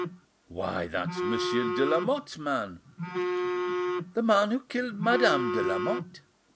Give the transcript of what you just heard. "Why, that's Monsieur de Lamotte's man." "The man who killed Madame de Lamotte?"